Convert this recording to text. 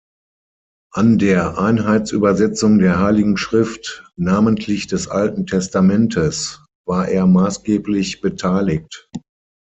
An der Einheitsübersetzung der Heiligen Schrift, namentlich des Alten Testamentes, war er maßgeblich beteiligt.